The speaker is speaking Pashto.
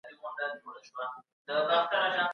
ولي د دوشنبې او کابل ترمنځ الوتنې محدودي دي؟